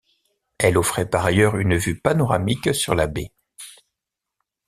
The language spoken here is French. Elle offrait par ailleurs une vue panoramique sur la baie.